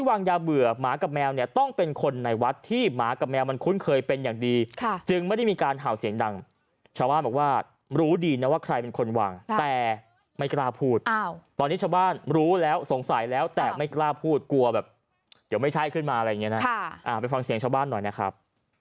วางยาเบื่อหมากับแมวเนี่ยต้องเป็นคนในวัดที่หมากับแมวมันคุ้นเคยเป็นอย่างดีจึงไม่ได้มีการเห่าเสียงดังชาวบ้านบอกว่ารู้ดีนะว่าใครเป็นคนวางแต่ไม่กล้าพูดตอนนี้ชาวบ้านรู้แล้วสงสัยแล้วแต่ไม่กล้าพูดกลัวแบบเดี๋ยวไม่ใช่ขึ้นมาอะไรอย่างเงี้นะไปฟังเสียงชาวบ้านหน่อยนะครับ